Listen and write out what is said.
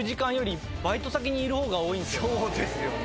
そうですよね。